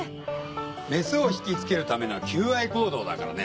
雌をひきつけるための求愛行動だからね。